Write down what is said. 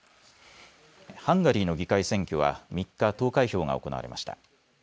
ハンガリーの議会選挙は３日、投開票が行われました。